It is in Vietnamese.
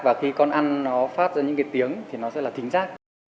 và khi con ăn nó phát ra những cái tiếng thì nó sẽ là thính giác